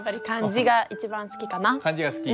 漢字が好き？